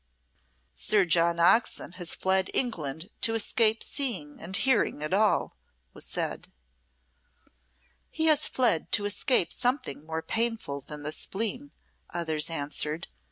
"Sir John Oxon has fled England to escape seeing and hearing it all," was said. "He has fled to escape something more painful than the spleen," others answered.